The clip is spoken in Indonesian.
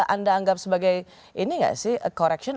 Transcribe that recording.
anda anggap sebagai ini gak sih a correction